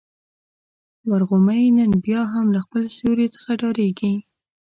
ورغومی نن بيا هم له خپل سیوري څخه ډارېږي.